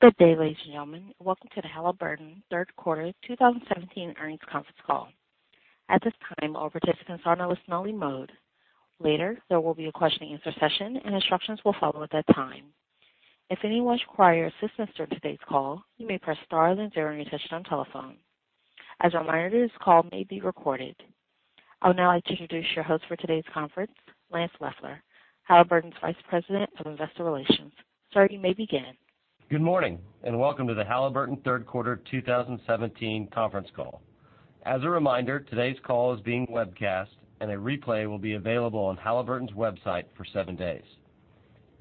Good day, ladies and gentlemen. Welcome to the Halliburton third quarter 2017 earnings conference call. At this time, all participants are in a listen-only mode. Later, there will be a question-and-answer session. Instructions will follow at that time. If anyone requires assistance during today's call, you may press star then zero on your touch-tone telephone. As a reminder, this call may be recorded. I would now like to introduce your host for today's conference, Lance Loeffler, Halliburton's Vice President of Investor Relations. Sir, you may begin. Good morning. Welcome to the Halliburton third quarter 2017 conference call. As a reminder, today's call is being webcast. A replay will be available on Halliburton's website for seven days.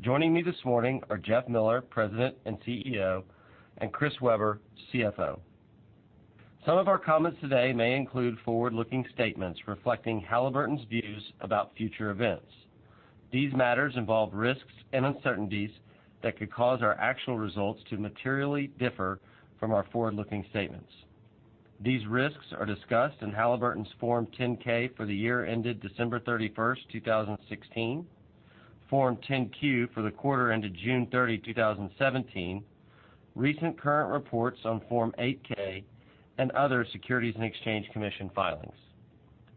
Joining me this morning are Jeff Miller, President and CEO, and Chris Weber, CFO. Some of our comments today may include forward-looking statements reflecting Halliburton's views about future events. These matters involve risks and uncertainties that could cause our actual results to materially differ from our forward-looking statements. These risks are discussed in Halliburton's Form 10-K for the year ended December 31, 2016, Form 10-Q for the quarter ended June 30, 2017, recent current reports on Form 8-K, and other Securities and Exchange Commission filings.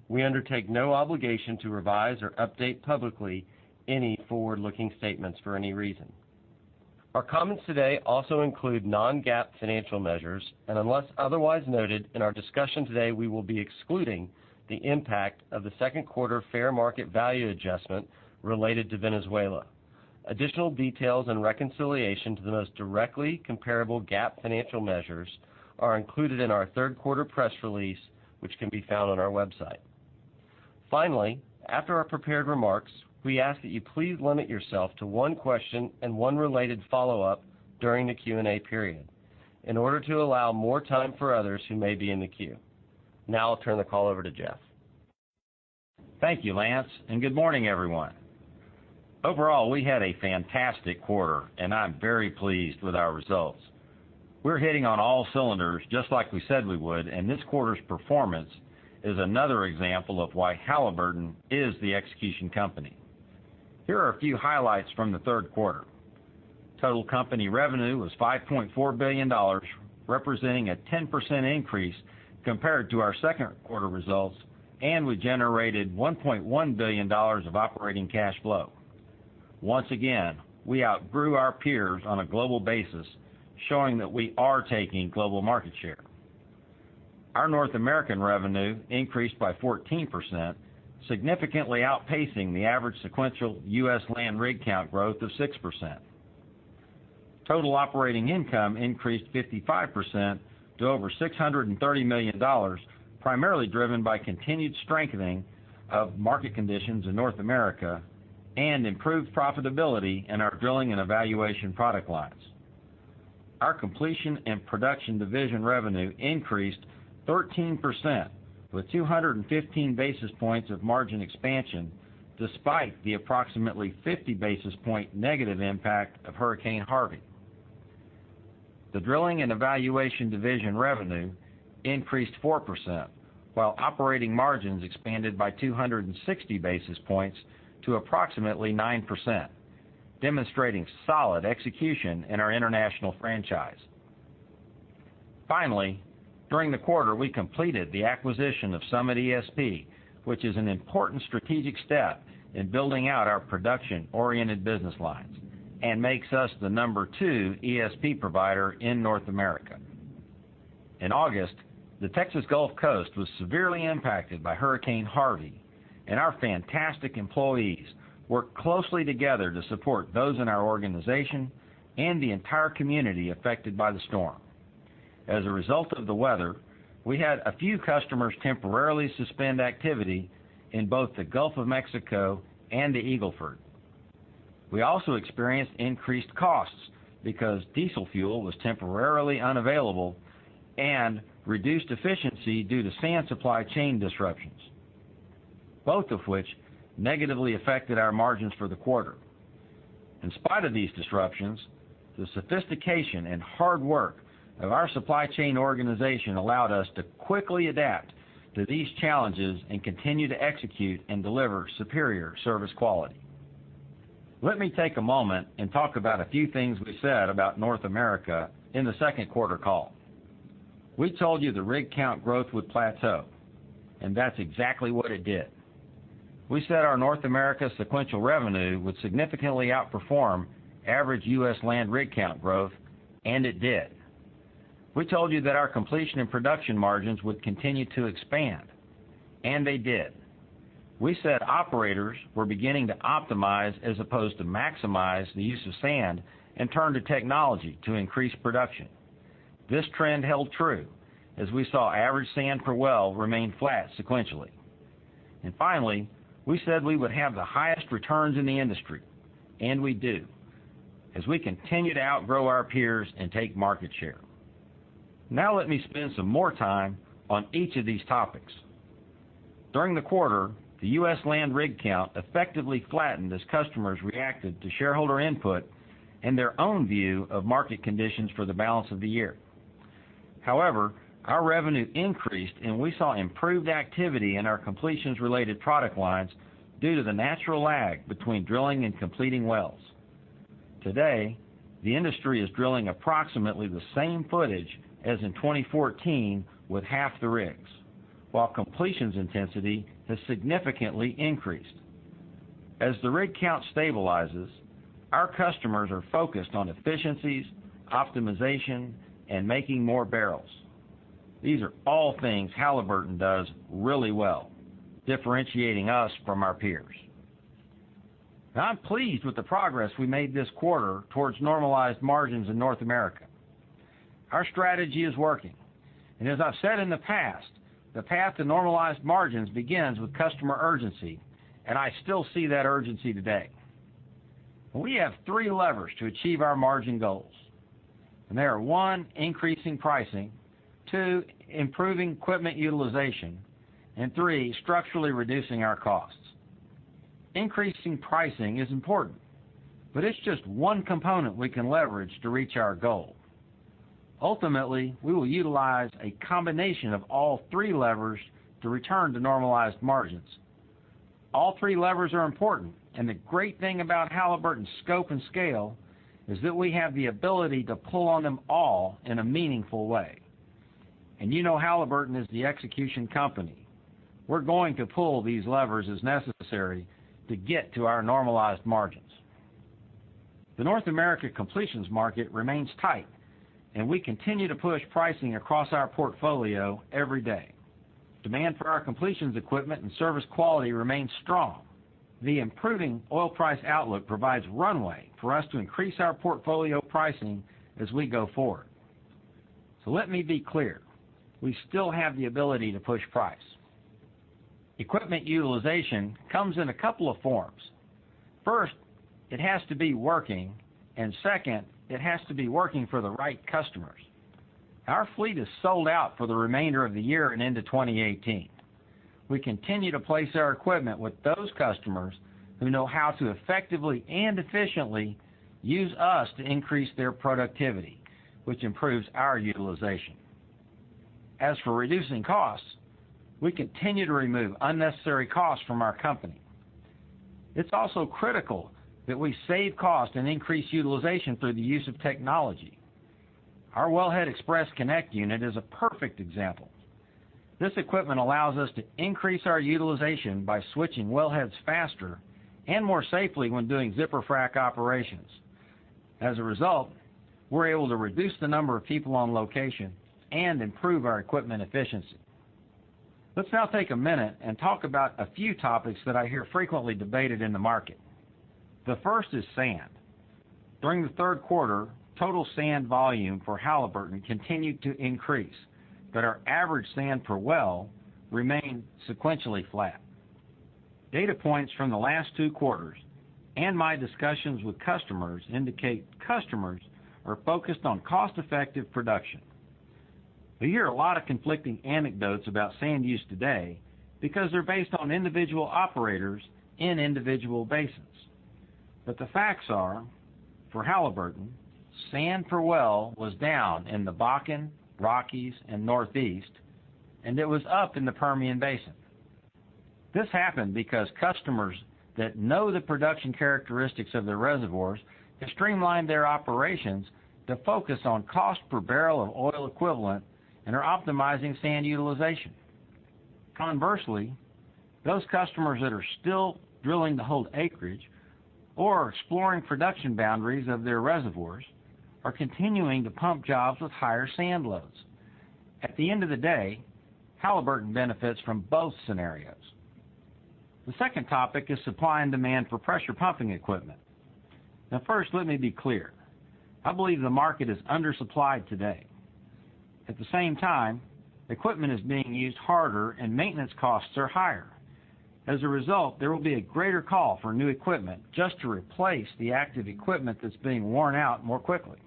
We undertake no obligation to revise or update publicly any forward-looking statements for any reason. Our comments today also include non-GAAP financial measures. Unless otherwise noted in our discussion today, we will be excluding the impact of the second quarter fair market value adjustment related to Venezuela. Additional details and reconciliation to the most directly comparable GAAP financial measures are included in our third quarter press release, which can be found on our website. Finally, after our prepared remarks, we ask that you please limit yourself to one question and one related follow-up during the Q&A period in order to allow more time for others who may be in the queue. I'll turn the call over to Jeff. Thank you, Lance. Good morning, everyone. Overall, we had a fantastic quarter. I'm very pleased with our results. We're hitting on all cylinders, just like we said we would. This quarter's performance is another example of why Halliburton is the execution company. Here are a few highlights from the third quarter. Total company revenue was $5.4 billion, representing a 10% increase compared to our second quarter results. We generated $1.1 billion of operating cash flow. Once again, we outgrew our peers on a global basis, showing that we are taking global market share. Our North American revenue increased by 14%, significantly outpacing the average sequential U.S. land rig count growth of 6%. Total operating income increased 55% to over $630 million, primarily driven by continued strengthening of market conditions in North America and improved profitability in our Drilling and Evaluation product lines. Our Completion and Production division revenue increased 13%, with 215 basis points of margin expansion, despite the approximately 50 basis point negative impact of Hurricane Harvey. The Drilling and Evaluation division revenue increased 4%, while operating margins expanded by 260 basis points to approximately 9%, demonstrating solid execution in our international franchise. Finally, during the quarter, we completed the acquisition of Summit ESP, which is an important strategic step in building out our production-oriented business lines and makes us the number 2 ESP provider in North America. In August, the Texas Gulf Coast was severely impacted by Hurricane Harvey. Our fantastic employees worked closely together to support those in our organization and the entire community affected by the storm. As a result of the weather, we had a few customers temporarily suspend activity in both the Gulf of Mexico and the Eagle Ford. We also experienced increased costs because diesel fuel was temporarily unavailable and reduced efficiency due to sand supply chain disruptions, both of which negatively affected our margins for the quarter. In spite of these disruptions, the sophistication and hard work of our supply chain organization allowed us to quickly adapt to these challenges and continue to execute and deliver superior service quality. Let me take a moment and talk about a few things we said about North America in the second quarter call. We told you the rig count growth would plateau. That's exactly what it did. We said our North America sequential revenue would significantly outperform average U.S. land rig count growth. It did. We told you that our Completion and Production margins would continue to expand. They did. We said operators were beginning to optimize as opposed to maximize the use of sand and turn to technology to increase production. This trend held true as we saw average sand per well remain flat sequentially. Finally, we said we would have the highest returns in the industry, and we do, as we continue to outgrow our peers and take market share. Now let me spend some more time on each of these topics. During the quarter, the U.S. land rig count effectively flattened as customers reacted to shareholder input and their own view of market conditions for the balance of the year. However, our revenue increased, and we saw improved activity in our completions-related product lines due to the natural lag between drilling and completing wells. Today, the industry is drilling approximately the same footage as in 2014 with half the rigs, while completions intensity has significantly increased. As the rig count stabilizes, our customers are focused on efficiencies, optimization, and making more barrels. These are all things Halliburton does really well, differentiating us from our peers. I'm pleased with the progress we made this quarter towards normalized margins in North America. Our strategy is working. As I've said in the past, the path to normalized margins begins with customer urgency, and I still see that urgency today. We have three levers to achieve our margin goals. They are, one, increasing pricing, two, improving equipment utilization, and three, structurally reducing our costs. Increasing pricing is important, but it's just one component we can leverage to reach our goal. Ultimately, we will utilize a combination of all three levers to return to normalized margins. All three levers are important, and the great thing about Halliburton's scope and scale is that we have the ability to pull on them all in a meaningful way. You know Halliburton is the execution company. We're going to pull these levers as necessary to get to our normalized margins. The North American completions market remains tight, and we continue to push pricing across our portfolio every day. Demand for our completions equipment and service quality remains strong. The improving oil price outlook provides runway for us to increase our portfolio pricing as we go forward. Let me be clear. We still have the ability to push price. Equipment utilization comes in a couple of forms. First, it has to be working, and second, it has to be working for the right customers. Our fleet is sold out for the remainder of the year and into 2018. We continue to place our equipment with those customers who know how to effectively and efficiently use us to increase their productivity, which improves our utilization. As for reducing costs, we continue to remove unnecessary costs from our company. It's also critical that we save cost and increase utilization through the use of technology. Our Wellhead Xpress-Connect unit is a perfect example. This equipment allows us to increase our utilization by switching wellheads faster and more safely when doing zipper frac operations. As a result, we're able to reduce the number of people on location and improve our equipment efficiency. Let's now take a minute and talk about a few topics that I hear frequently debated in the market. The first is sand. During the third quarter, total sand volume for Halliburton continued to increase, but our average sand per well remained sequentially flat. Data points from the last two quarters and my discussions with customers indicate customers are focused on cost-effective production. We hear a lot of conflicting anecdotes about sand use today because they're based on individual operators in individual basins. The facts are, for Halliburton, sand per well was down in the Bakken, Rockies, and Northeast, and it was up in the Permian Basin. This happened because customers that know the production characteristics of their reservoirs have streamlined their operations to focus on cost per barrel of oil equivalent and are optimizing sand utilization. Conversely, those customers that are still drilling to hold acreage or exploring production boundaries of their reservoirs are continuing to pump jobs with higher sand loads. At the end of the day, Halliburton benefits from both scenarios. The second topic is supply and demand for pressure pumping equipment. Now first, let me be clear. I believe the market is undersupplied today. At the same time, equipment is being used harder and maintenance costs are higher. As a result, there will be a greater call for new equipment just to replace the active equipment that's being worn out more quickly,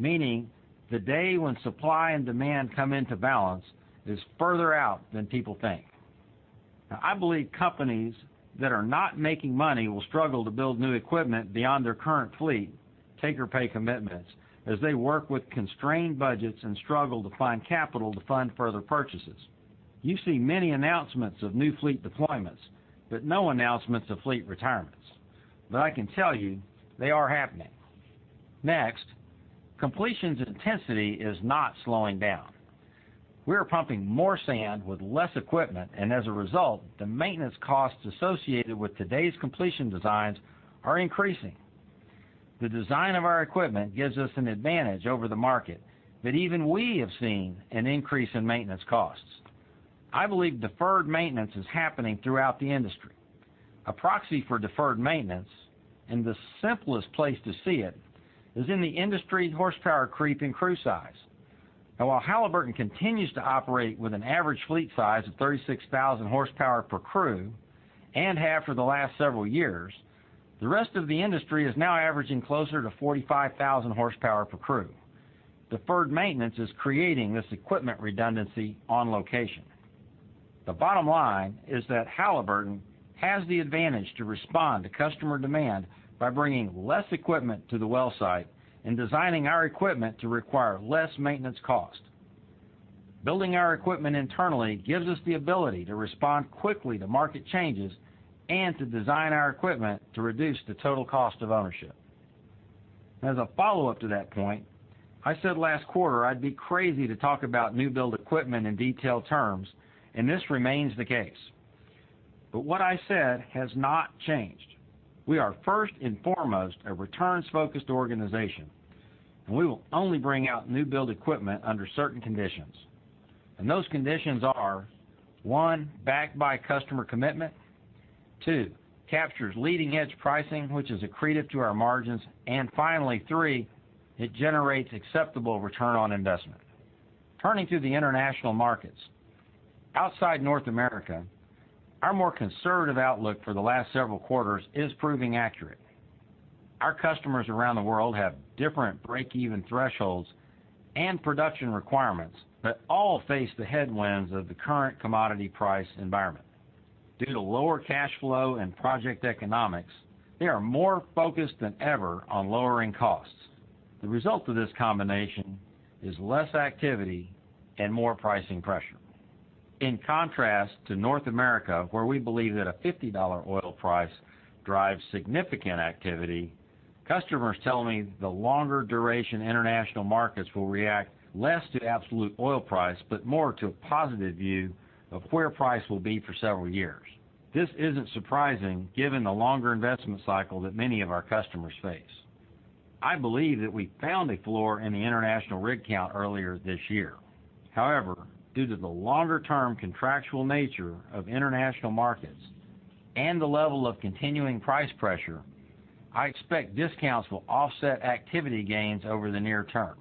meaning the day when supply and demand come into balance is further out than people think. Now, I believe companies that are not making money will struggle to build new equipment beyond their current fleet, take or pay commitments, as they work with constrained budgets and struggle to find capital to fund further purchases. You see many announcements of new fleet deployments but no announcements of fleet retirements. I can tell you they are happening. Next, completions intensity is not slowing down. We are pumping more sand with less equipment, and as a result, the maintenance costs associated with today's completion designs are increasing. The design of our equipment gives us an advantage over the market, but even we have seen an increase in maintenance costs. I believe deferred maintenance is happening throughout the industry. A proxy for deferred maintenance and the simplest place to see it is in the industry horsepower creep in crew size. Now while Halliburton continues to operate with an average fleet size of 36,000 horsepower per crew and have for the last several years, the rest of the industry is now averaging closer to 45,000 horsepower per crew. Deferred maintenance is creating this equipment redundancy on location. The bottom line is that Halliburton has the advantage to respond to customer demand by bringing less equipment to the well site and designing our equipment to require less maintenance cost. Building our equipment internally gives us the ability to respond quickly to market changes and to design our equipment to reduce the total cost of ownership. As a follow-up to that point, I said last quarter I'd be crazy to talk about new build equipment in detailed terms, and this remains the case. What I said has not changed. We are first and foremost a returns-focused organization, and we will only bring out new build equipment under certain conditions. Those conditions are, one, backed by customer commitment, two, captures leading-edge pricing, which is accretive to our margins, and finally, three, it generates acceptable return on investment. Turning to the international markets. Outside North America, our more conservative outlook for the last several quarters is proving accurate. Our customers around the world have different break-even thresholds and production requirements but all face the headwinds of the current commodity price environment. Due to lower cash flow and project economics, they are more focused than ever on lowering costs. The result of this combination is less activity and more pricing pressure. In contrast to North America, where we believe that a $50 oil price drives significant activity, customers tell me the longer duration international markets will react less to absolute oil price, but more to a positive view of where price will be for several years. This isn't surprising given the longer investment cycle that many of our customers face. I believe that we found a floor in the international rig count earlier this year. However, due to the longer-term contractual nature of international markets and the level of continuing price pressure, I expect discounts will offset activity gains over the near term.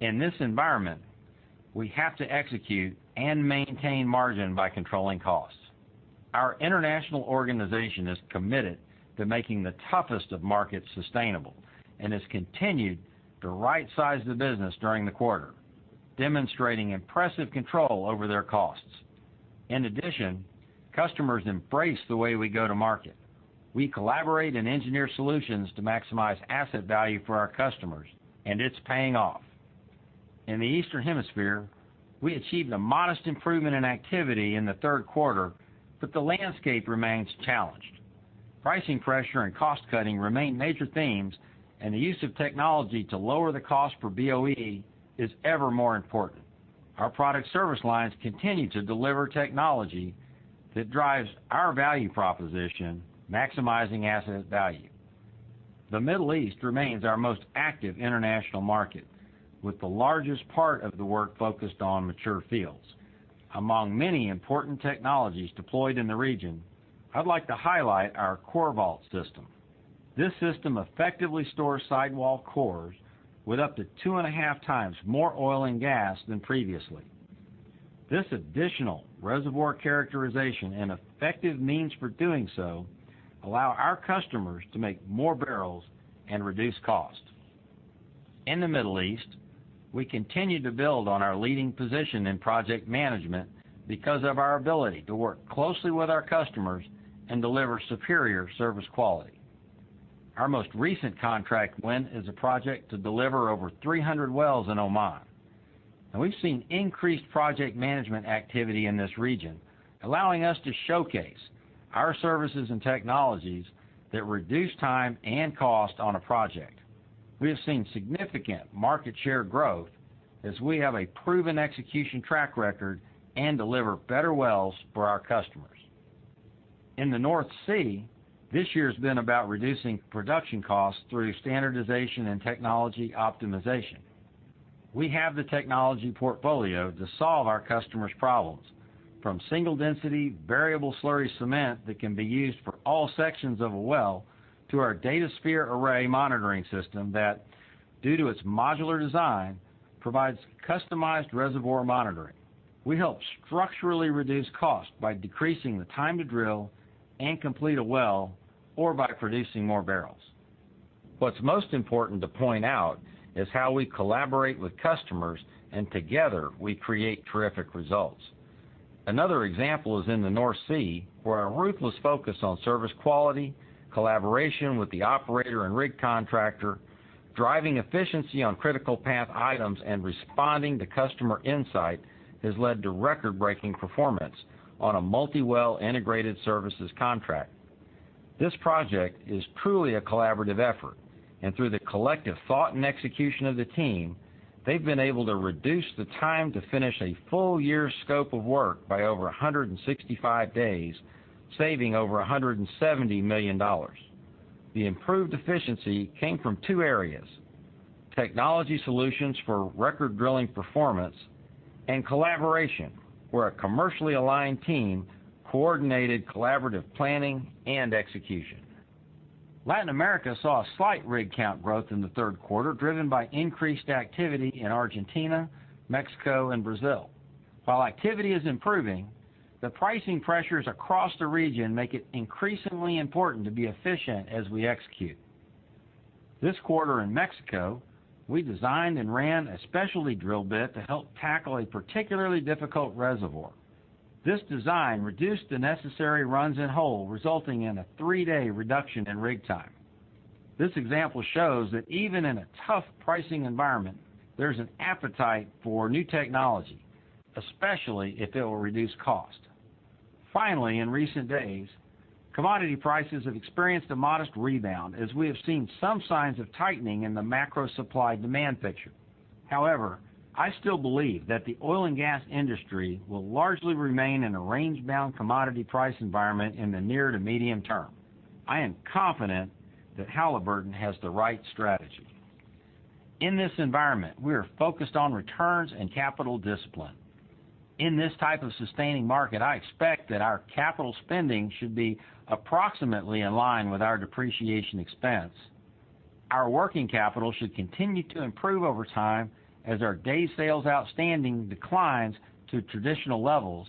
In this environment, we have to execute and maintain margin by controlling costs. Our international organization is committed to making the toughest of markets sustainable and has continued to rightsize the business during the quarter, demonstrating impressive control over their costs. In addition, customers embrace the way we go to market. We collaborate and engineer solutions to maximize asset value for our customers, and it's paying off. In the Eastern Hemisphere, we achieved a modest improvement in activity in the third quarter, but the landscape remains challenged. Pricing pressure and cost-cutting remain major themes, and the use of technology to lower the cost per BOE is ever more important. Our product service lines continue to deliver technology that drives our value proposition, maximizing asset value. The Middle East remains our most active international market, with the largest part of the work focused on mature fields. Among many important technologies deployed in the region, I'd like to highlight our CoreVault system. This system effectively stores sidewall cores with up to two and a half times more oil and gas than previously. This additional reservoir characterization and effective means for doing so allow our customers to make more barrels and reduce cost. In the Middle East, we continue to build on our leading position in project management because of our ability to work closely with our customers and deliver superior service quality. Our most recent contract win is a project to deliver over 300 wells in Oman. We've seen increased project management activity in this region, allowing us to showcase our services and technologies that reduce time and cost on a project. We have seen significant market share growth as we have a proven execution track record and deliver better wells for our customers. In the North Sea, this year's been about reducing production costs through standardization and technology optimization. We have the technology portfolio to solve our customers' problems, from single-density variable-slurry cement that can be used for all sections of a well to our DataSphere Array monitoring system that, due to its modular design, provides customized reservoir monitoring. We help structurally reduce cost by decreasing the time to drill and complete a well, or by producing more barrels. What's most important to point out is how we collaborate with customers, and together we create terrific results. Another example is in the North Sea, where our ruthless focus on service quality, collaboration with the operator and rig contractor, driving efficiency on critical path items, and responding to customer insight has led to record-breaking performance on a multi-well integrated services contract. This project is truly a collaborative effort, and through the collective thought and execution of the team, they've been able to reduce the time to finish a full year's scope of work by over 165 days, saving over $170 million. The improved efficiency came from two areas, technology solutions for record drilling performance and collaboration, where a commercially aligned team coordinated collaborative planning and execution. Latin America saw a slight rig count growth in the third quarter, driven by increased activity in Argentina, Mexico, and Brazil. While activity is improving, the pricing pressures across the region make it increasingly important to be efficient as we execute. This quarter in Mexico, we designed and ran a specialty drill bit to help tackle a particularly difficult reservoir. This design reduced the necessary runs in hole, resulting in a three-day reduction in rig time. This example shows that even in a tough pricing environment, there's an appetite for new technology, especially if it will reduce cost. Finally, in recent days, commodity prices have experienced a modest rebound as we have seen some signs of tightening in the macro supply-demand picture. However, I still believe that the oil and gas industry will largely remain in a range-bound commodity price environment in the near to medium term. I am confident that Halliburton has the right strategy. In this environment, we are focused on returns and capital discipline. In this type of sustaining market, I expect that our capital spending should be approximately in line with our depreciation expense. Our working capital should continue to improve over time as our days sales outstanding declines to traditional levels.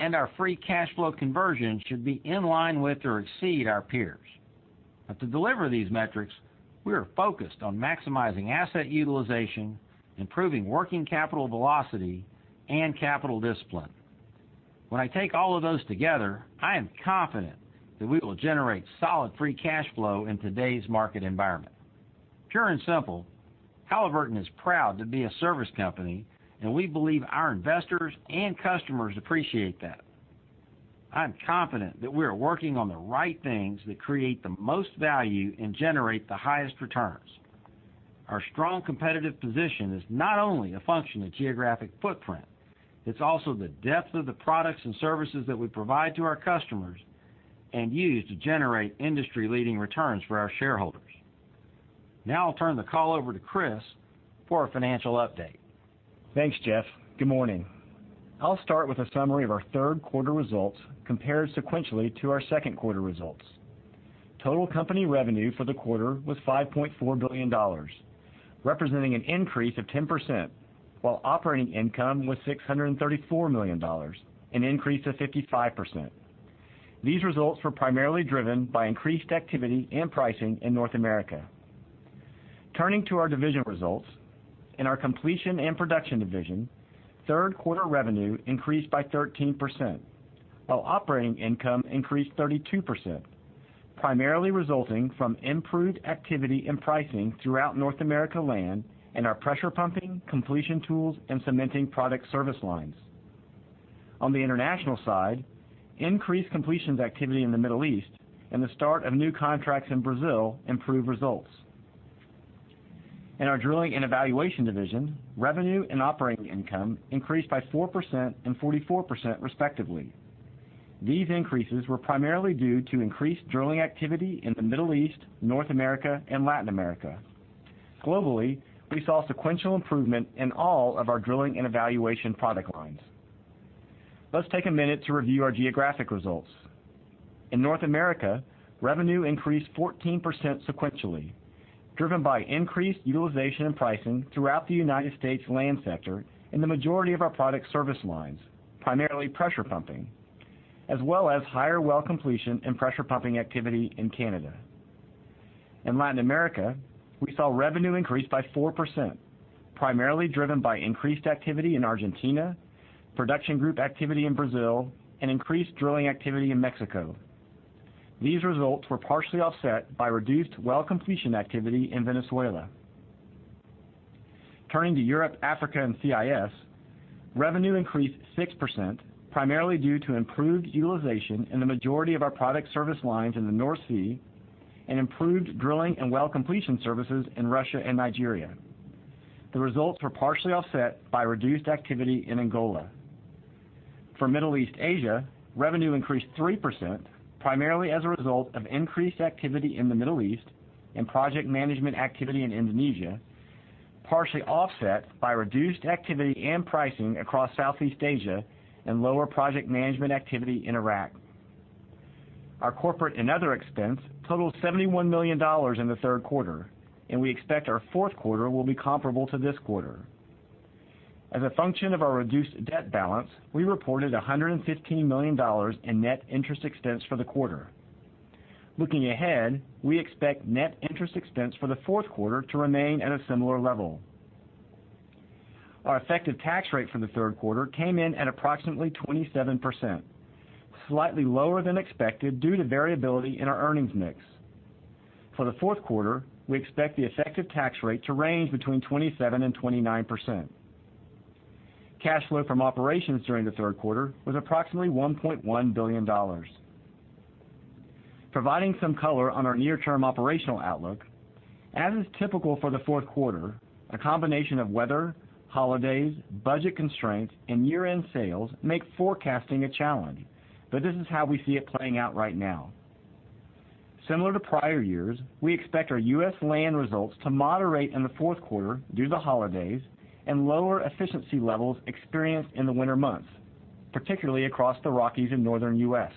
Our free cash flow conversion should be in line with or exceed our peers. To deliver these metrics, we are focused on maximizing asset utilization, improving working capital velocity, and capital discipline. When I take all of those together, I am confident that we will generate solid free cash flow in today's market environment. Pure and simple, Halliburton is proud to be a service company, and we believe our investors and customers appreciate that. I'm confident that we are working on the right things that create the most value and generate the highest returns. Our strong competitive position is not only a function of geographic footprint, it's also the depth of the products and services that we provide to our customers and use to generate industry-leading returns for our shareholders. Now I'll turn the call over to Chris for a financial update. Thanks, Jeff. Good morning. I'll start with a summary of our third quarter results compared sequentially to our second quarter results. Total company revenue for the quarter was $5.4 billion, representing an increase of 10%, while operating income was $634 million, an increase of 55%. These results were primarily driven by increased activity and pricing in North America. Turning to our division results. In our Completion and Production division, third quarter revenue increased by 13%, while operating income increased 32%, primarily resulting from improved activity and pricing throughout North America Land and our pressure pumping, completion tools, and cementing product service lines. On the international side, increased completions activity in the Middle East and the start of new contracts in Brazil improved results. In our Drilling and Evaluation division, revenue and operating income increased by 4% and 44% respectively. These increases were primarily due to increased drilling activity in the Middle East, North America, and Latin America. Globally, we saw sequential improvement in all of our drilling and evaluation product lines. Let's take a minute to review our geographic results. In North America, revenue increased 14% sequentially, driven by increased utilization and pricing throughout the U.S. land sector in the majority of our product service lines, primarily pressure pumping, as well as higher well completion and pressure pumping activity in Canada. In Latin America, we saw revenue increase by 4%, primarily driven by increased activity in Argentina, production group activity in Brazil, and increased drilling activity in Mexico. These results were partially offset by reduced well completion activity in Venezuela. Turning to Europe, Africa, and CIS, revenue increased 6%, primarily due to improved utilization in the majority of our product service lines in the North Sea and improved drilling and well completion services in Russia and Nigeria. The results were partially offset by reduced activity in Angola. For Middle East Asia, revenue increased 3%, primarily as a result of increased activity in the Middle East and project management activity in Indonesia, partially offset by reduced activity and pricing across Southeast Asia and lower project management activity in Iraq. Our corporate and other expense totaled $71 million in the third quarter, and we expect our fourth quarter will be comparable to this quarter. As a function of our reduced debt balance, we reported $115 million in net interest expense for the quarter. Looking ahead, we expect net interest expense for the fourth quarter to remain at a similar level. Our effective tax rate for the third quarter came in at approximately 27%, slightly lower than expected due to variability in our earnings mix. For the fourth quarter, we expect the effective tax rate to range between 27% and 29%. Cash flow from operations during the third quarter was approximately $1.1 billion. Providing some color on our near-term operational outlook, as is typical for the fourth quarter, a combination of weather, holidays, budget constraints, and year-end sales make forecasting a challenge. This is how we see it playing out right now. Similar to prior years, we expect our U.S. land results to moderate in the fourth quarter due to holidays and lower efficiency levels experienced in the winter months, particularly across the Rockies and Northern U.S.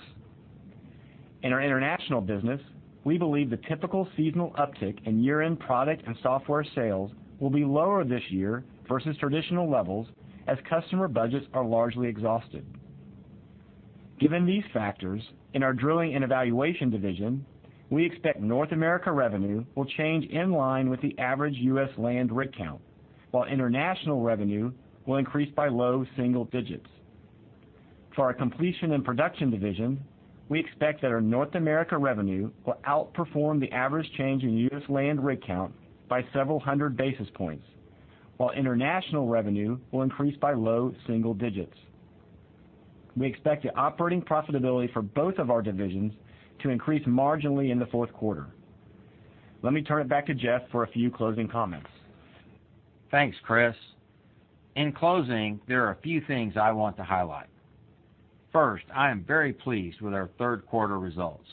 In our international business, we believe the typical seasonal uptick in year-end product and software sales will be lower this year versus traditional levels as customer budgets are largely exhausted. Given these factors, in our Drilling and Evaluation division, we expect North America revenue will change in line with the average U.S. land rig count, while international revenue will increase by low single digits. For our Completion and Production division, we expect that our North America revenue will outperform the average change in U.S. land rig count by several hundred basis points, while international revenue will increase by low single digits. We expect the operating profitability for both of our divisions to increase marginally in the fourth quarter. Let me turn it back to Jeff for a few closing comments. Thanks, Chris. In closing, there are a few things I want to highlight. First, I am very pleased with our third quarter results.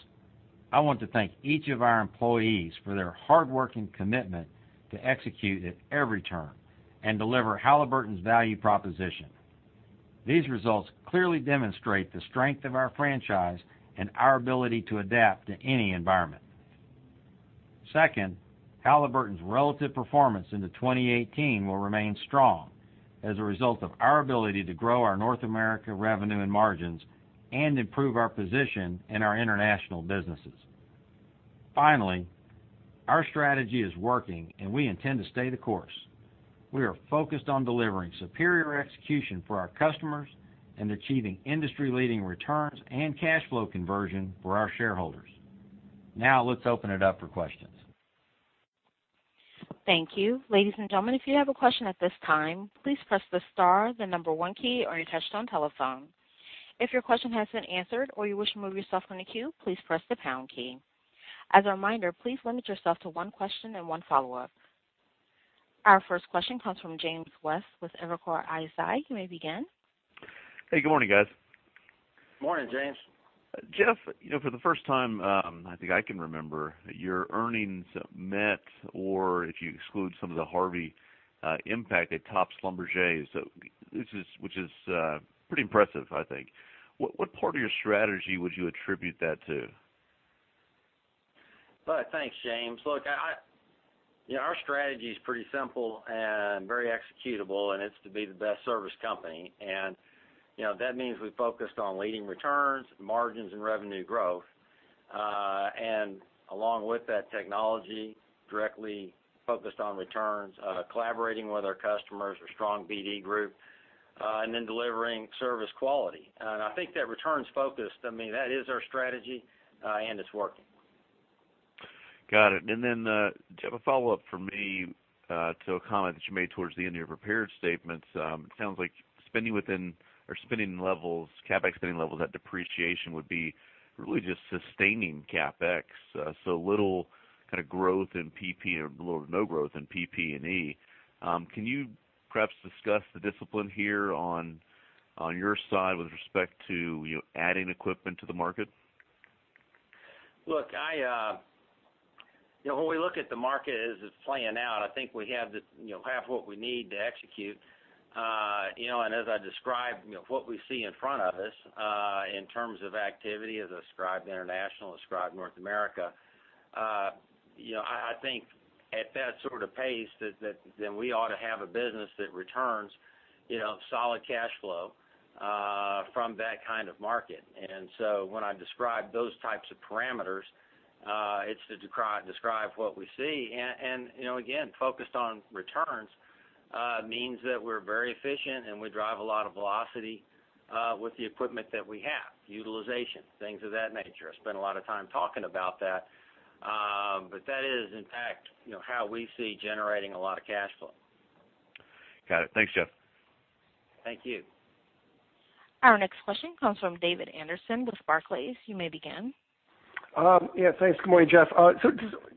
I want to thank each of our employees for their hard work and commitment to execute at every turn and deliver Halliburton's value proposition. These results clearly demonstrate the strength of our franchise and our ability to adapt to any environment. Second, Halliburton's relative performance into 2018 will remain strong as a result of our ability to grow our North America revenue and margins and improve our position in our international businesses. Finally, our strategy is working, and we intend to stay the course. We are focused on delivering superior execution for our customers and achieving industry-leading returns and cash flow conversion for our shareholders. Let's open it up for questions. Thank you. Ladies and gentlemen, if you have a question at this time, please press the star, the number one key on your touch-tone telephone. If your question has been answered or you wish to remove yourself from the queue, please press the pound key. As a reminder, please limit yourself to one question and one follow-up. Our first question comes from James West with Evercore ISI. You may begin. Hey, good morning, guys. Morning, James. Jeff, for the first time I think I can remember, your earnings met, or if you exclude some of the Harvey impact, it tops Schlumberger, which is pretty impressive, I think. What part of your strategy would you attribute that to? Thanks, James. Look, our strategy is pretty simple and very executable, and it's to be the best service company. That means we focused on leading returns, margins, and revenue growth. Along with that technology, directly focused on returns, collaborating with our customers, our strong BD group, and then delivering service quality. I think that returns-focused, that is our strategy, and it's working. Got it. Jeff, a follow-up from me to a comment that you made towards the end of your prepared statements. It sounds like spending levels, CapEx spending levels, that depreciation would be really just sustaining CapEx. Little kind of growth in PP or no growth in PP&E. Can you perhaps discuss the discipline here on your side with respect to adding equipment to the market? Look, when we look at the market as it's playing out, I think we have half of what we need to execute. As I described what we see in front of us, in terms of activity, as I described international, described North America. I think at that sort of pace that then we ought to have a business that returns solid cash flow from that kind of market. When I describe those types of parameters, it's to describe what we see. Again, focused on returns means that we're very efficient, and we drive a lot of velocity with the equipment that we have, utilization, things of that nature. I spent a lot of time talking about that. That is in fact how we see generating a lot of cash flow. Got it. Thanks, Jeff. Thank you. Our next question comes from David Anderson with Barclays. You may begin. Yeah, thanks. Good morning, Jeff.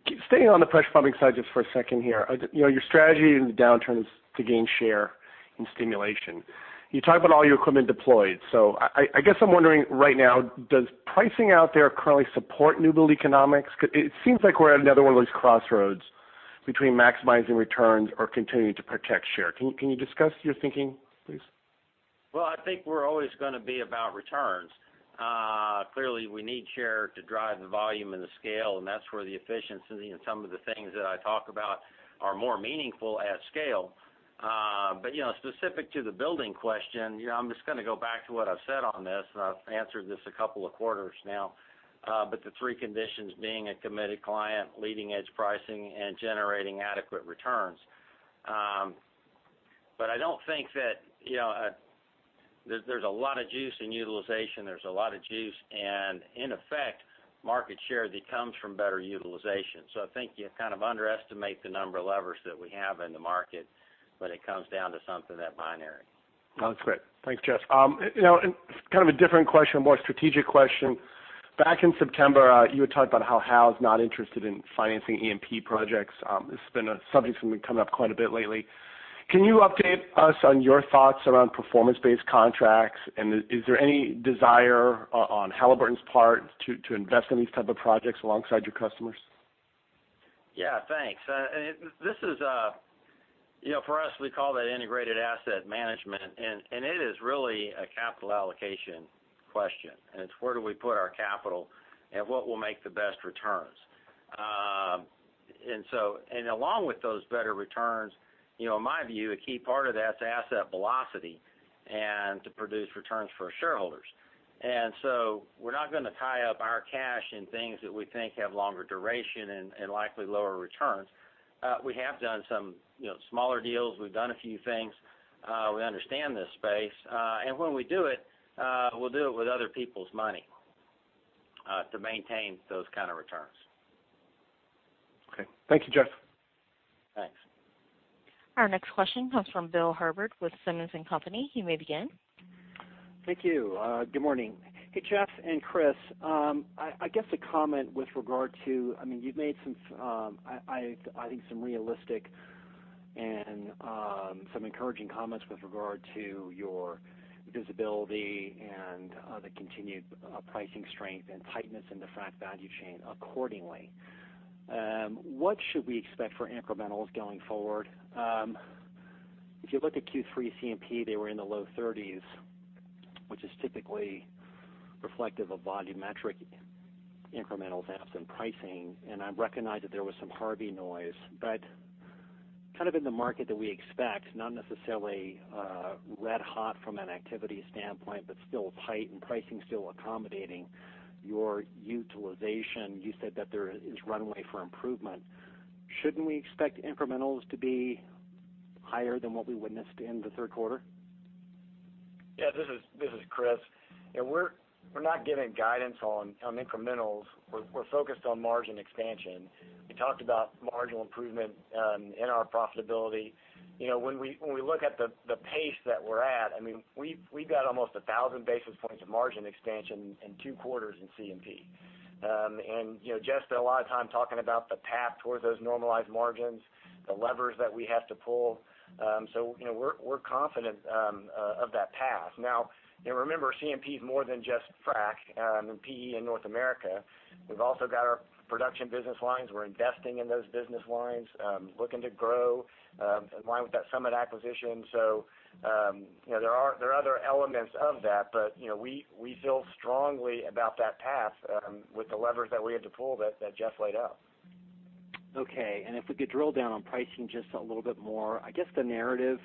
Just staying on the pressure pumping side just for a second here. Your strategy in the downturn is to gain share in stimulation. You talk about all your equipment deployed. I guess I'm wondering right now, does pricing out there currently support new build economics? It seems like we're at another one of those crossroads between maximizing returns or continuing to protect share. Can you discuss your thinking, please? I think we're always gonna be about returns. Clearly, we need share to drive the volume and the scale, and that's where the efficiency and some of the things that I talk about are more meaningful at scale. Specific to the building question, I'm just gonna go back to what I've said on this, and I've answered this a couple of quarters now. The three conditions being a committed client, leading edge pricing, and generating adequate returns. I don't think that there's a lot of juice in utilization. There's a lot of juice and, in effect, market share that comes from better utilization. I think you kind of underestimate the number of levers that we have in the market when it comes down to something that binary. That's great. Thanks, Jeff. Kind of a different question, a more strategic question. Back in September, you had talked about how Halliburton is not interested in financing E&P projects. This has been a subject that's been coming up quite a bit lately. Can you update us on your thoughts around performance-based contracts, and is there any desire on Halliburton's part to invest in these type of projects alongside your customers? Yeah, thanks. For us, we call that integrated asset management, and it is really a capital allocation question, and it's where do we put our capital and what will make the best returns. Along with those better returns, in my view, a key part of that is asset velocity and to produce returns for our shareholders. So we're not going to tie up our cash in things that we think have longer duration and likely lower returns. We have done some smaller deals. We've done a few things. We understand this space. When we do it, we'll do it with other people's money to maintain those kind of returns. Okay. Thank you, Jeff. Thanks. Our next question comes from Bill Herbert with Simmons & Company. You may begin. Thank you. Good morning. Hey, Jeff and Chris. I guess a comment with regard to, you've made some, I think, some realistic and some encouraging comments with regard to your visibility and the continued pricing strength and tightness in the frac value chain accordingly. What should we expect for incrementals going forward? If you look at Q3 C&P, they were in the low 30s, which is typically reflective of volumetric incremental gaps in pricing, and I recognize that there was some Harvey noise. Kind of in the market that we expect, not necessarily red hot from an activity standpoint, but still tight and pricing still accommodating your utilization. You said that there is runway for improvement. Shouldn't we expect incrementals to be higher than what we witnessed in the third quarter? Yeah, this is Chris. We're not giving guidance on incrementals. We're focused on margin expansion. We talked about marginal improvement in our profitability. When we look at the pace that we're at, we've got almost 1,000 basis points of margin expansion in two quarters in C&P. Jeff spent a lot of time talking about the path towards those normalized margins, the levers that we have to pull. We're confident of that path. Now, remember, C&P is more than just frac and PP in North America. We've also got our production business lines. We're investing in those business lines, looking to grow in line with that Summit acquisition. There are other elements of that, but we feel strongly about that path with the levers that we had to pull that Jeff laid out. Okay. If we could drill down on pricing just a little bit more. I guess the narrative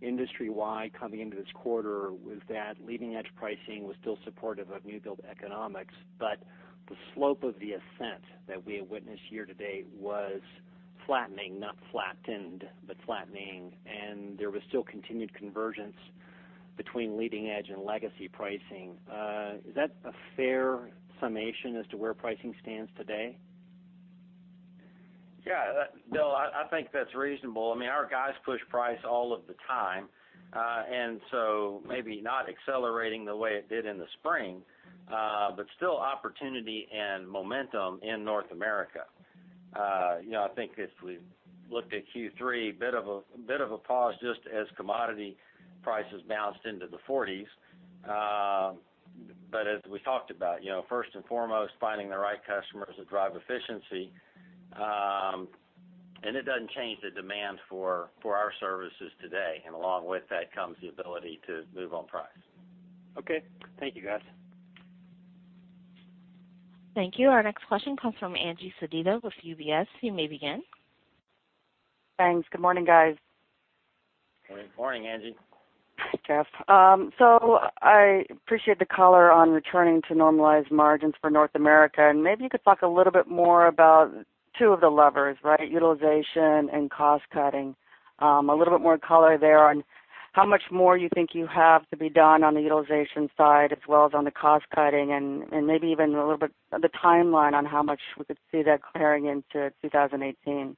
industry-wide coming into this quarter was that leading-edge pricing was still supportive of new build economics. The slope of the ascent that we have witnessed year to date was flattening, not flattened, but flattening, and there was still continued convergence between leading edge and legacy pricing. Is that a fair summation as to where pricing stands today? Bill, I think that's reasonable. Our guys push price all of the time. Maybe not accelerating the way it did in the spring, but still opportunity and momentum in North America. I think if we looked at Q3, bit of a pause just as commodity prices bounced into the 40s. As we talked about, first and foremost, finding the right customers that drive efficiency. It doesn't change the demand for our services today, and along with that comes the ability to move on price. Okay. Thank you, guys. Thank you. Our next question comes from Angeline Sedita with UBS. You may begin. Thanks. Good morning, guys. Good morning, Angie. Jeff. I appreciate the color on returning to normalized margins for North America, and maybe you could talk a little bit more about two of the levers, right? Utilization and cost cutting. A little bit more color there on how much more you think you have to be done on the utilization side, as well as on the cost cutting, and maybe even a little bit of the timeline on how much we could see that carrying into 2018.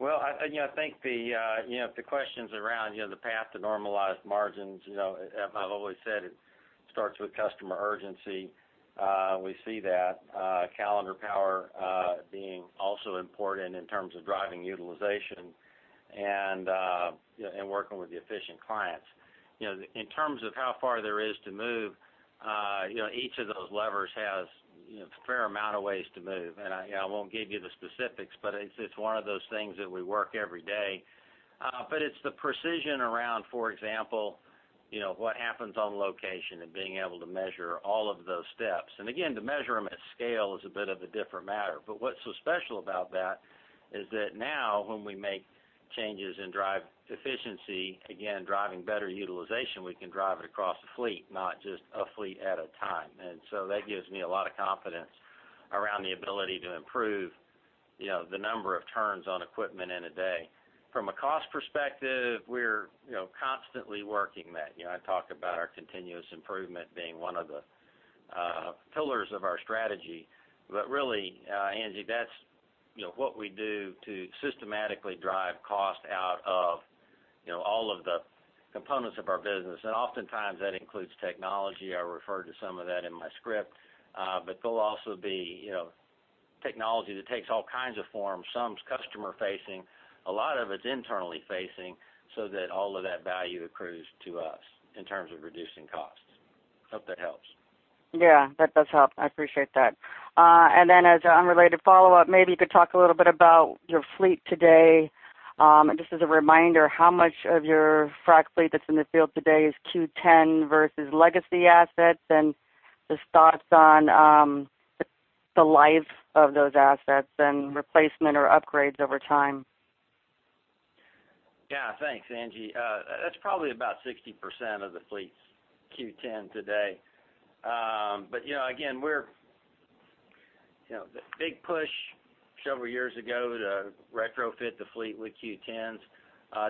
Well, I think the questions around the path to normalized margins, as I've always said, it starts with customer urgency. We see that calendar power being also important in terms of driving utilization and working with the efficient clients. In terms of how far there is to move, each of those levers has a fair amount of ways to move, and I won't give you the specifics, but it's one of those things that we work every day. It's the precision around, for example, what happens on location and being able to measure all of those steps. Again, to measure them at scale is a bit of a different matter. What's so special about that is that now when we make changes and drive efficiency, again, driving better utilization, we can drive it across a fleet, not just a fleet at a time. That gives me a lot of confidence around the ability to improve the number of turns on equipment in a day. From a cost perspective, we're constantly working that. I talk about our continuous improvement being one of the pillars of our strategy. Really, Angie, that's what we do to systematically drive cost out of all of the components of our business, and oftentimes that includes technology. I referred to some of that in my script. They'll also be technology that takes all kinds of forms. Some's customer facing. A lot of it's internally facing, so that all of that value accrues to us in terms of reducing costs. Hope that helps. Yeah, that does help. I appreciate that. As an unrelated follow-up, maybe you could talk a little bit about your fleet today. Just as a reminder, how much of your frac fleet that's in the field today is Q10 versus legacy assets, and just thoughts on the life of those assets and replacement or upgrades over time? Yeah. Thanks, Angie. That's probably about 60% of the fleet's Q10 today. Again, the big push several years ago to retrofit the fleet with Q10s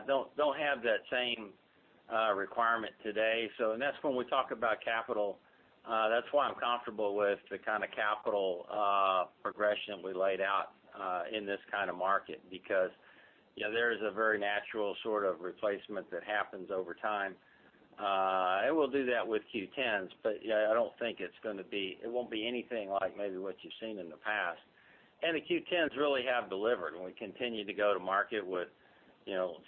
don't have that same requirement today. That's when we talk about capital. That's why I'm comfortable with the kind of capital progression that we laid out in this kind of market because there is a very natural sort of replacement that happens over time. It will do that with Q10s, it won't be anything like maybe what you've seen in the past. The Q10s really have delivered, and we continue to go to market with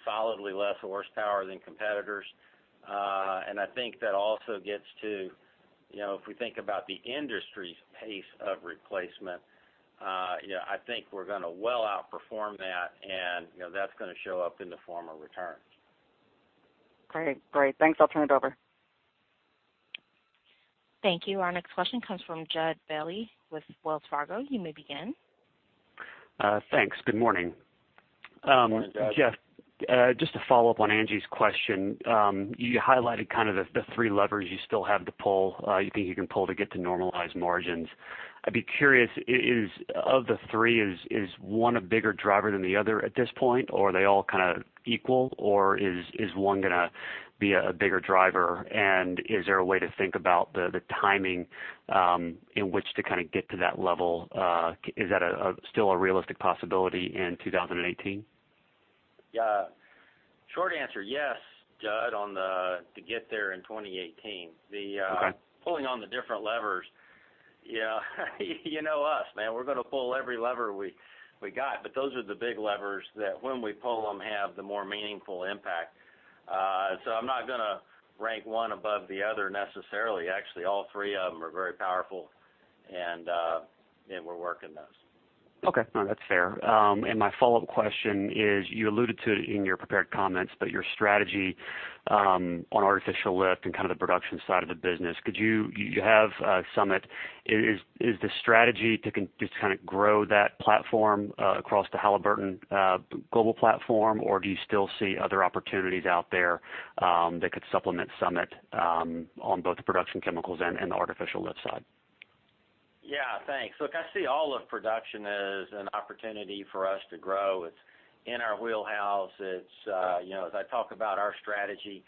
solidly less horsepower than competitors. I think that also gets to, if we think about the industry's pace of replacement, I think we're going to well outperform that, and that's going to show up in the form of returns. Great. Thanks. I'll turn it over. Thank you. Our next question comes from Jud Bailey with Wells Fargo. You may begin. Thanks. Good morning. Morning, Jud. Jeff, just to follow up on Angie's question. You highlighted kind of the three levers you still have to pull, you think you can pull to get to normalized margins. I'd be curious, of the three, is one a bigger driver than the other at this point, or are they all kind of equal, or is one going to be a bigger driver? Is there a way to think about the timing, in which to kind of get to that level? Is that still a realistic possibility in 2018? Yeah. Short answer, yes, Jud, on to get there in 2018. Okay. The pulling on the different levers. You know us, man, we're going to pull every lever we got, those are the big levers that when we pull them, have the more meaningful impact. I'm not going to rank one above the other necessarily. Actually, all three of them are very powerful and we're working those. Okay. No, that's fair. My follow-up question is, you alluded to it in your prepared comments, your strategy on artificial lift and kind of the production side of the business. You have Summit. Is the strategy to just kind of grow that platform across the Halliburton global platform, or do you still see other opportunities out there that could supplement Summit on both the production chemicals and the artificial lift side? Yeah, thanks. Look, I see all of production as an opportunity for us to grow. It's in our wheelhouse. As I talk about our strategy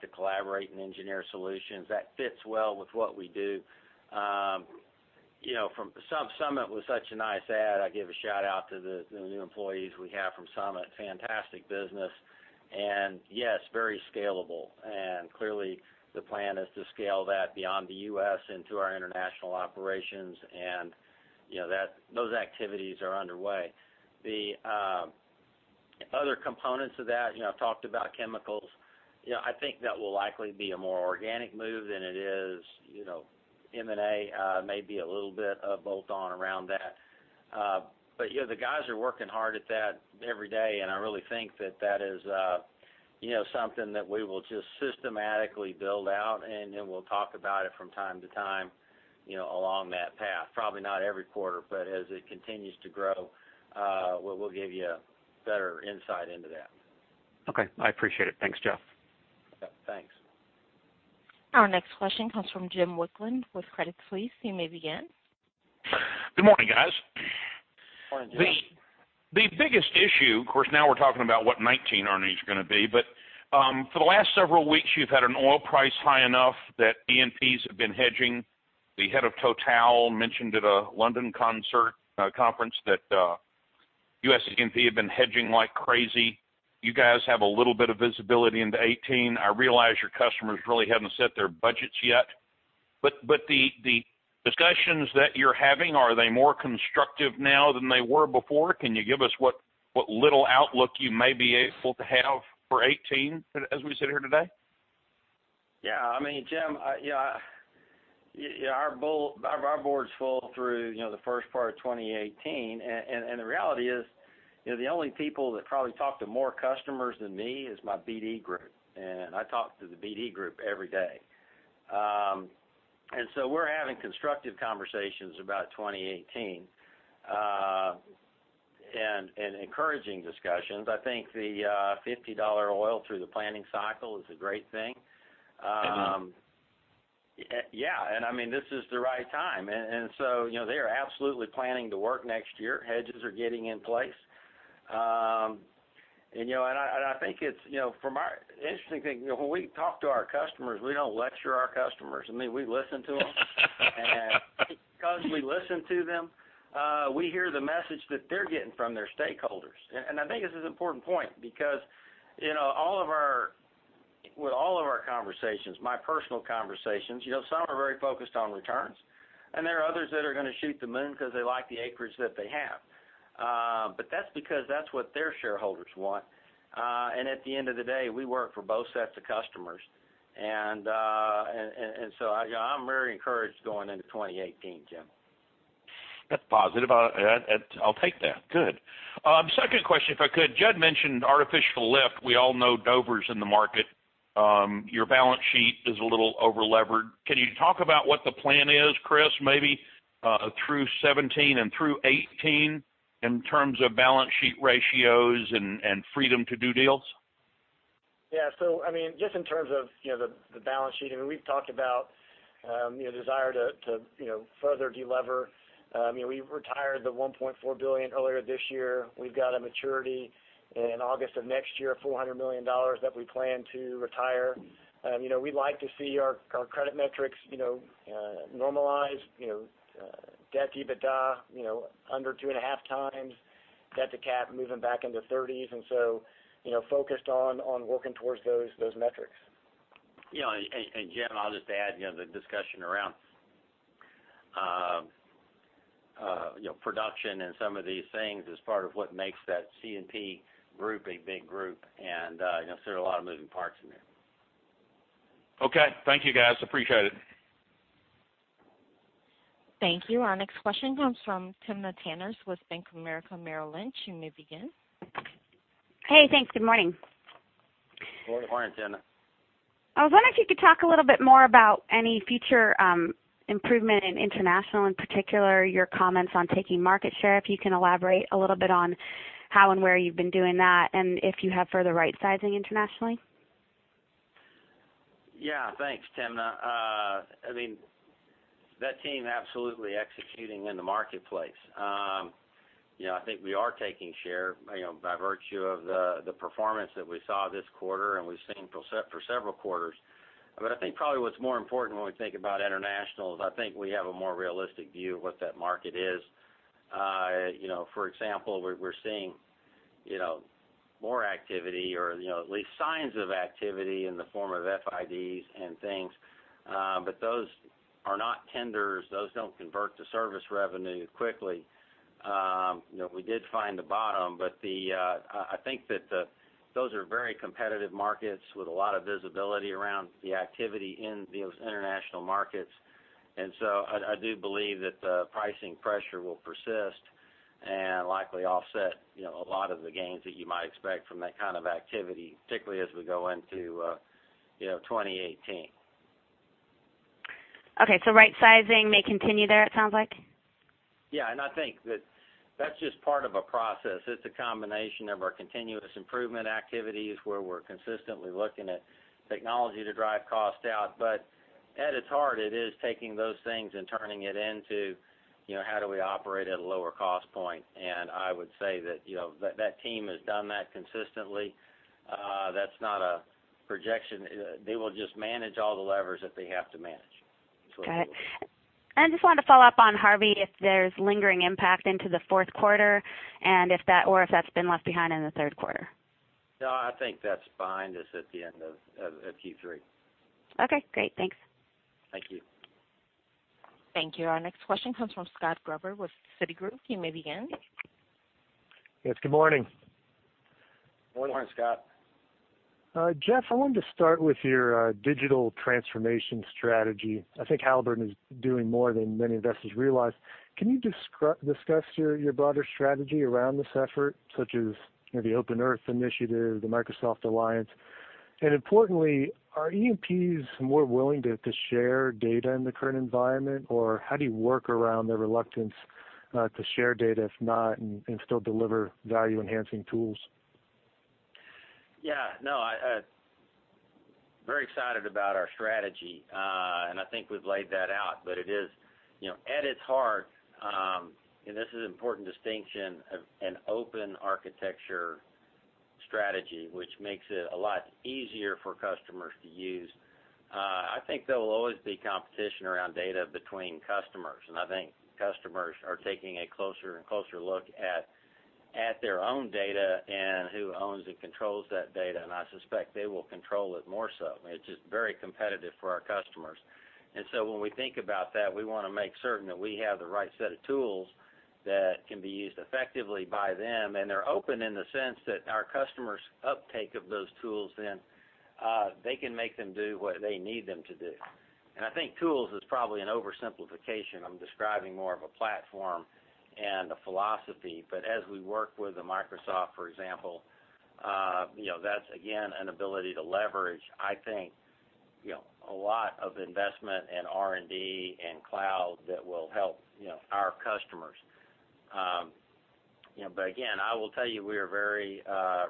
to collaborate and engineer solutions, that fits well with what we do. Summit was such a nice add. I give a shout-out to the new employees we have from Summit. Fantastic business. Yes, very scalable. Clearly, the plan is to scale that beyond the U.S. into our international operations and those activities are underway. The other components of that, I've talked about chemicals. I think that will likely be a more organic move than it is M&A. Maybe a little bit of bolt-on around that. The guys are working hard at that every day, and I really think that that is something that we will just systematically build out, and then we'll talk about it from time to time along that path. Probably not every quarter, but as it continues to grow, we'll give you a better insight into that. Okay. I appreciate it. Thanks, Jeff. Yeah, thanks. Our next question comes from James Wicklund with Credit Suisse. You may begin. Good morning, guys. Morning, Jim. The biggest issue, of course, now we're talking about what 2019 earnings are going to be. For the last several weeks, you've had an oil price high enough that E&Ps have been hedging. The head of Total mentioned at a London conference that U.S. E&P have been hedging like crazy. You guys have a little bit of visibility into 2018. I realize your customers really haven't set their budgets yet, the discussions that you're having, are they more constructive now than they were before? Can you give us what little outlook you may be able to have for 2018 as we sit here today? Yeah. I mean, Jim, our board's full through the first part of 2018. The reality is the only people that probably talk to more customers than me is my BD group, and I talk to the BD group every day. We're having constructive conversations about 2018, and encouraging discussions. I think the $50 oil through the planning cycle is a great thing. Yeah. I mean, this is the right time. They are absolutely planning to work next year. Hedges are getting in place. I think it's, from our interesting thing, when we talk to our customers, we don't lecture our customers. I mean, we listen to them. Because we listen to them, we hear the message that they're getting from their stakeholders. I think this is an important point because with all of our conversations, my personal conversations, some are very focused on returns, and there are others that are going to shoot the moon because they like the acreage that they have. That's because that's what their shareholders want. At the end of the day, we work for both sets of customers. I'm very encouraged going into 2018, Jim. That's positive. I'll take that. Good. Second question, if I could. Jud mentioned artificial lift. We all know Dover in the market. Your balance sheet is a little over-levered. Can you talk about what the plan is, Chris, maybe through 2017 and through 2018 in terms of balance sheet ratios and freedom to do deals? Yeah. Just in terms of the balance sheet, we've talked about the desire to further de-lever. We retired the $1.4 billion earlier this year. We've got a maturity in August of next year, $400 million that we plan to retire. We'd like to see our credit metrics normalize, debt to EBITDA under 2.5 times, debt to cap moving back into 30s, focused on working towards those metrics. Yeah. Jeff, I'll just add the discussion around production and some of these things as part of what makes that C&P Group a big group, and there are a lot of moving parts in there. Okay. Thank you, guys. Appreciate it. Thank you. Our next question comes from Timna Tanners with Bank of America Merrill Lynch. You may begin. Hey, thanks. Good morning. Good morning, Timna. I was wondering if you could talk a little bit more about any future improvement in international, in particular, your comments on taking market share. If you can elaborate a little bit on how and where you've been doing that, and if you have further right-sizing internationally. Yeah. Thanks, Timna. That team absolutely executing in the marketplace. I think we are taking share by virtue of the performance that we saw this quarter and we've seen for several quarters. I think probably what's more important when we think about international is I think we have a more realistic view of what that market is. For example, we're seeing more activity or at least signs of activity in the form of FIDs and things. Those are not tenders. Those don't convert to service revenue quickly. We did find the bottom, but I think that those are very competitive markets with a lot of visibility around the activity in those international markets. I do believe that the pricing pressure will persist and likely offset a lot of the gains that you might expect from that kind of activity, particularly as we go into 2018. Okay, right-sizing may continue there, it sounds like? Yeah, I think that's just part of a process. It's a combination of our continuous improvement activities where we're consistently looking at technology to drive cost out. At its heart, it is taking those things and turning it into how do we operate at a lower cost point. I would say that that team has done that consistently. That's not a projection. They will just manage all the levers that they have to manage. Okay. Just wanted to follow up on Harvey, if there's lingering impact into the fourth quarter or if that's been left behind in the third quarter. No, I think that's behind us at the end of Q3. Okay, great. Thanks. Thank you. Thank you. Our next question comes from Scott Gruber with Citigroup. You may begin. Yes, good morning. Good morning, Scott. Jeff, I wanted to start with your digital transformation strategy. I think Halliburton is doing more than many investors realize. Can you discuss your broader strategy around this effort, such as the OpenEarth initiative, the Microsoft alliance? Importantly, are E&Ps more willing to share data in the current environment, or how do you work around the reluctance to share data, if not, and still deliver value-enhancing tools? Yeah. Very excited about our strategy, I think we've laid that out. At its heart, this is an important distinction, an open architecture strategy, which makes it a lot easier for customers to use. I think there will always be competition around data between customers, I think customers are taking a closer and closer look at their own data and who owns and controls that data, I suspect they will control it more so. It's just very competitive for our customers. When we think about that, we want to make certain that we have the right set of tools that can be used effectively by them, they're open in the sense that our customers' uptake of those tools, then they can make them do what they need them to do. I think tools is probably an oversimplification. I'm describing more of a platform and a philosophy. As we work with a Microsoft, for example, that's again, an ability to leverage, I think, a lot of investment in R&D and cloud that will help our customers. Again, I will tell you we are very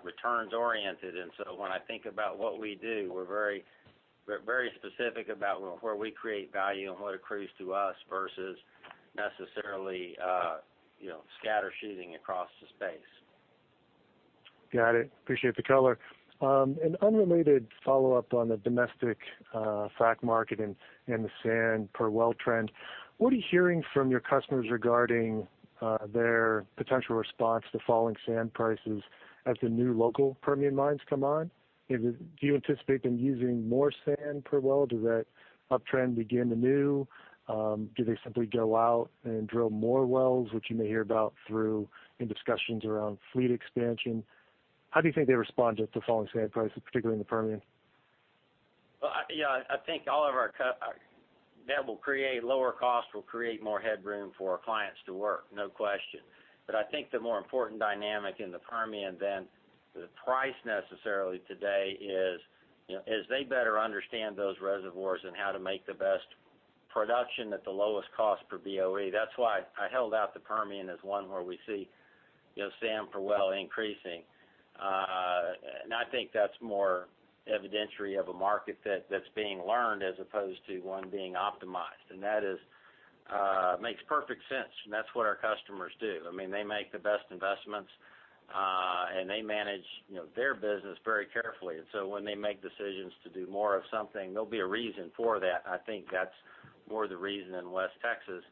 returns oriented, when I think about what we do, we're very specific about where we create value and what accrues to us versus necessarily scatter shooting across the space. Got it. Appreciate the color. An unrelated follow-up on the domestic frac market and the sand per well trend. What are you hearing from your customers regarding their potential response to falling sand prices as the new local Permian mines come on? Do you anticipate them using more sand per well? Does that uptrend begin anew? Do they simply go out and drill more wells, which you may hear about through in discussions around fleet expansion? How do you think they respond to falling sand prices, particularly in the Permian? Yeah. That will create lower cost, will create more headroom for our clients to work, no question. I think the more important dynamic in the Permian than the price necessarily today is, as they better understand those reservoirs and how to make the best production at the lowest cost per BOE. That's why I held out the Permian as one where we see sand per well increasing. I think that's more evidentiary of a market that's being learned as opposed to one being optimized. That makes perfect sense, that's what our customers do. They make the best investments, they manage their business very carefully. When they make decisions to do more of something, there'll be a reason for that, I think that's more the reason in West Texas.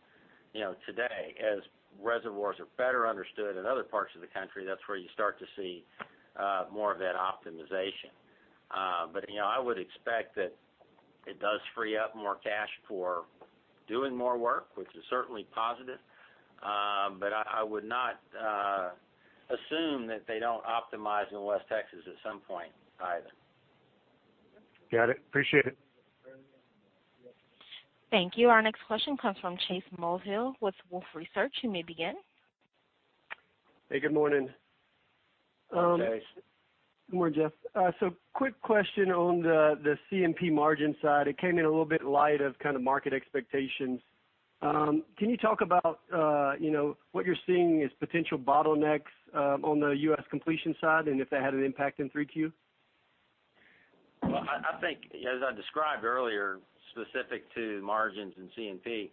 Today, as reservoirs are better understood in other parts of the country, that's where you start to see more of that optimization. I would expect that it does free up more cash for doing more work, which is certainly positive. I would not assume that they don't optimize in West Texas at some point either. Got it. Appreciate it. Thank you. Our next question comes from Chase Mulvehill with Wolfe Research. You may begin. Hey, good morning. Hey, Chase. Good morning, Jeff. Quick question on the C&P margin side. It came in a little bit light of kind of market expectations. Can you talk about what you're seeing as potential bottlenecks on the U.S. completion side and if that had an impact in 3Q? Well, I think as I described earlier, specific to margins and C&P,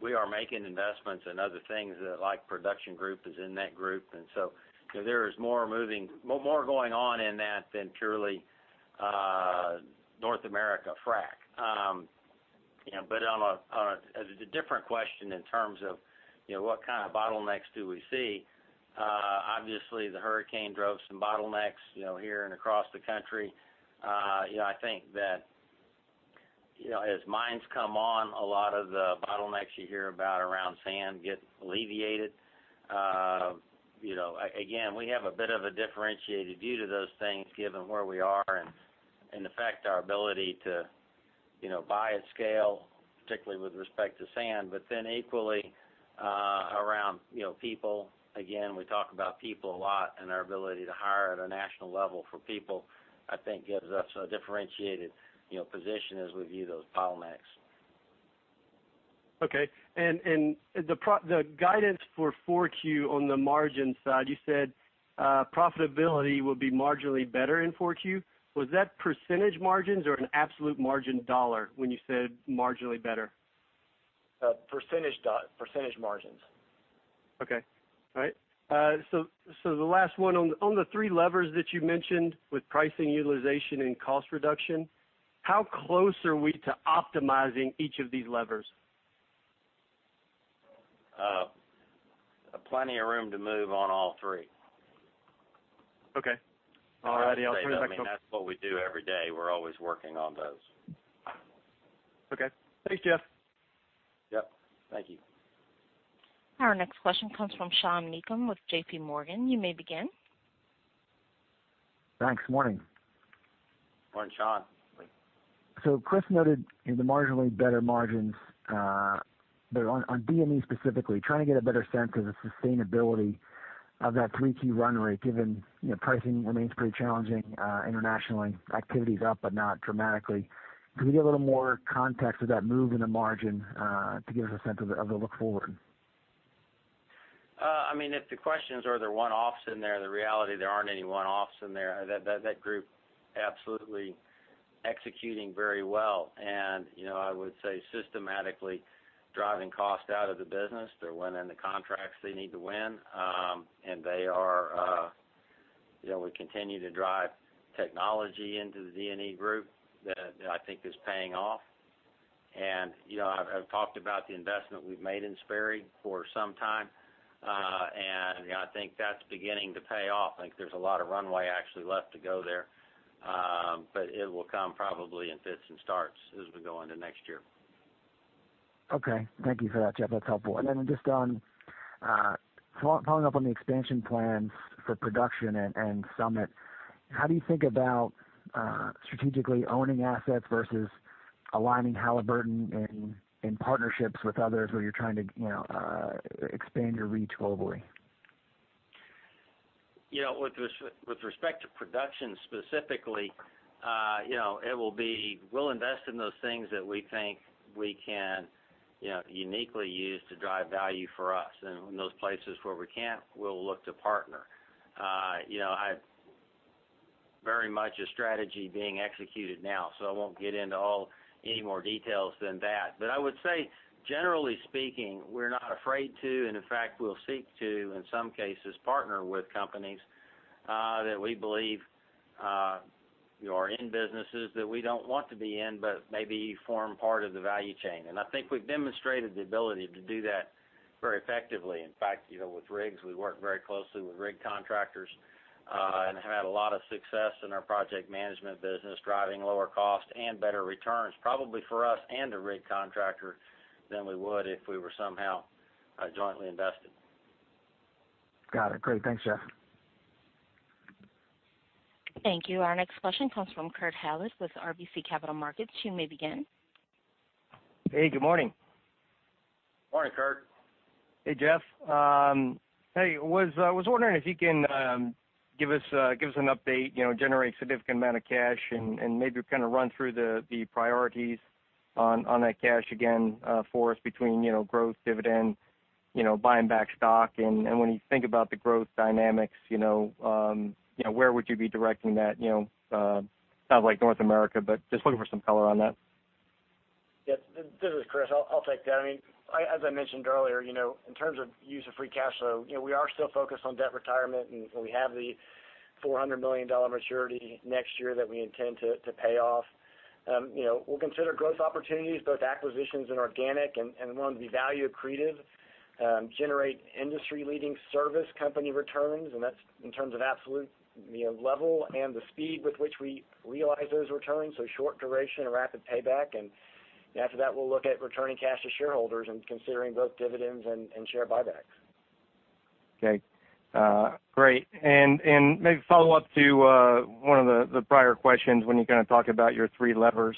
we are making investments in other things, like production group is in that group. There is more going on in that than purely North America frac. On a different question in terms of what kind of bottlenecks do we see, obviously Hurricane Harvey drove some bottlenecks here and across the country. I think that as mines come on, a lot of the bottlenecks you hear about around sand get alleviated. Again, we have a bit of a differentiated view to those things given where we are and the fact our ability to buy at scale, particularly with respect to sand, equally, around people. Again, we talk about people a lot and our ability to hire at a national level for people, I think gives us a differentiated position as we view those bottlenecks. Okay. The guidance for 4Q on the margin side, you said profitability will be marginally better in 4Q. Was that percentage margins or an absolute margin dollars when you said marginally better? % margins. Okay. All right. The last one. On the three levers that you mentioned with pricing utilization and cost reduction, how close are we to optimizing each of these levers? Plenty of room to move on all three. Okay. All righty. I'll turn it back to- That's what we do every day. We're always working on those. Okay. Thanks, Jeff. Yep. Thank you. Our next question comes from Sean Meakim with JPMorgan. You may begin. Thanks. Morning. Morning, Sean. Chris noted the marginally better margins, but on D&E specifically, trying to get a better sense of the sustainability of that 3Q run rate given pricing remains pretty challenging internationally. Activity's up, but not dramatically. Can we get a little more context of that move in the margin, to give us a sense of the look forward? If the questions are there one-offs in there, the reality there aren't any one-offs in there. That group absolutely executing very well. I would say systematically driving cost out of the business. They're winning the contracts they need to win. We continue to drive technology into the D&E group that I think is paying off. I've talked about the investment we've made in Sperry for some time. I think that's beginning to pay off. I think there's a lot of runway actually left to go there. It will come probably in fits and starts as we go into next year. Okay. Thank you for that, Jeff. That's helpful. Just following up on the expansion plans for production and Summit. How do you think about strategically owning assets versus aligning Halliburton in partnerships with others where you're trying to expand your reach globally? With respect to production specifically, we'll invest in those things that we think we can uniquely use to drive value for us. In those places where we can't, we'll look to partner. Very much a strategy being executed now, so I won't get into any more details than that. I would say, generally speaking, we're not afraid to, and in fact, we'll seek to, in some cases, partner with companies, that we believe are in businesses that we don't want to be in, but maybe form part of the value chain. I think we've demonstrated the ability to do that very effectively. In fact, with rigs, we work very closely with rig contractors, and have had a lot of success in our project management business, driving lower cost and better returns, probably for us and the rig contractor, than we would if we were somehow jointly invested. Got it. Great. Thanks, Jeff. Thank you. Our next question comes from Kurt Hallead with RBC Capital Markets. You may begin. Hey, good morning. Morning, Kurt. Hey, Jeff. I was wondering if you can give us an update. Generate significant amount of cash and maybe run through the priorities on that cash again for us between growth dividend, buying back stock. When you think about the growth dynamics, where would you be directing that? Sounds like North America, but just looking for some color on that. Yes. This is Chris. I'll take that. As I mentioned earlier, in terms of use of free cash flow, we are still focused on debt retirement. We have the $400 million maturity next year that we intend to pay off. We'll consider growth opportunities, both acquisitions and organic. We want to be value accretive, generate industry leading service company returns, and that's in terms of absolute level and the speed with which we realize those returns, so short duration and rapid payback. After that, we'll look at returning cash to shareholders and considering both dividends and share buybacks. Okay. Great. Maybe follow up to one of the prior questions when you talked about your three levers,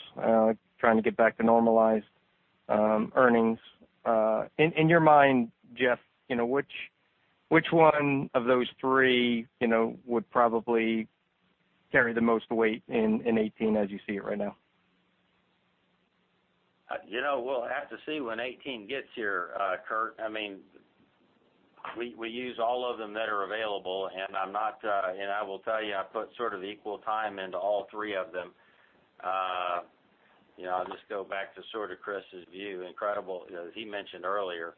trying to get back to normalized earnings. In your mind, Jeff, which one of those three would probably carry the most weight in 2018 as you see it right now? We'll have to see when 2018 gets here, Kurt. We use all of them that are available. I will tell you, I put equal time into all three of them. I'll just go back to Chris' view. Incredible, as he mentioned earlier.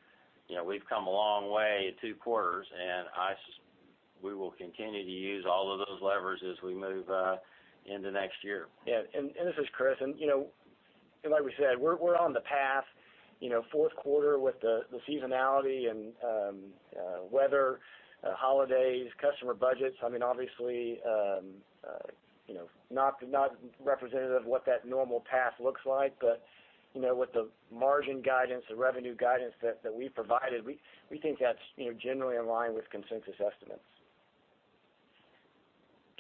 We've come a long way in two quarters. We will continue to use all of those levers as we move into next year. Yeah. This is Chris. Like we said, we're on the path. Fourth quarter with the seasonality and weather, holidays, customer budgets, obviously not representative of what that normal path looks like. With the margin guidance, the revenue guidance that we provided, we think that's generally in line with consensus estimates.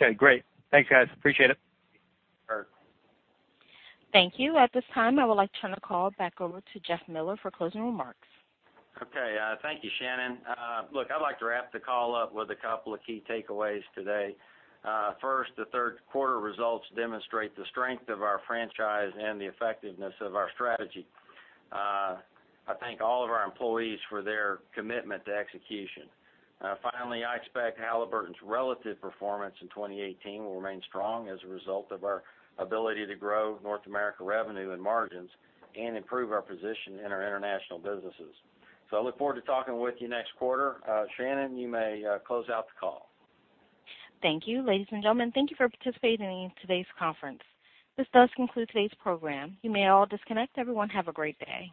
Okay, great. Thanks, guys. Appreciate it. Sure. Thank you. At this time, I would like to turn the call back over to Jeff Miller for closing remarks. Okay. Thank you, Shannon. Look, I'd like to wrap the call up with a couple of key takeaways today. First, the third quarter results demonstrate the strength of our franchise and the effectiveness of our strategy. I thank all of our employees for their commitment to execution. Finally, I expect Halliburton's relative performance in 2018 will remain strong as a result of our ability to grow North America revenue and margins and improve our position in our international businesses. I look forward to talking with you next quarter. Shannon, you may close out the call. Thank you. Ladies and gentlemen, thank you for participating in today's conference. This does conclude today's program. You may all disconnect. Everyone, have a great day.